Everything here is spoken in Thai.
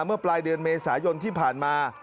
เมื่อปลายเดือนเมษายนที่ผ่านมา